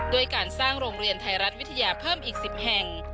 ด้วยการสร้างโรงเรียนไทยรัฐวิทยาเพิ่มอีก๑๐แห่ง